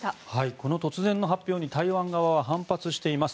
この突然の発表に台湾側は反発しています。